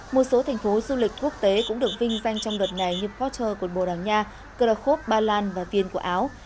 một số thành phố du lịch quốc tế cũng được vinh danh trong đợt này như porter của bồ đào nha krakov ba lan và viên của áo